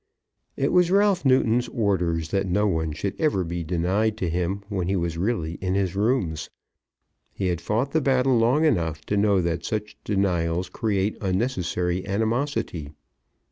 It was Ralph Newton's orders that no one should ever be denied to him when he was really in his rooms. He had fought the battle long enough to know that such denials create unnecessary animosity.